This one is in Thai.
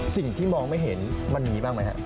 สิ่งที่มองไม่เห็นมันมีบ้างไหมครับ